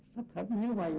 thất hợp như vậy